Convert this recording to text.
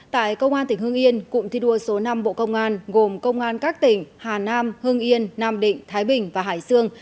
tại công an tỉnh hương yên cụm thi đua số năm bộ công an gồm công an các tỉnh hà nam hưng yên nam định thái bình và hải sương